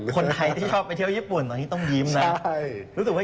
คนไทยที่ชอบไปเที่ยวญี่ปุ่นตอนนี้ต้องยิ้มนะรู้สึกว่า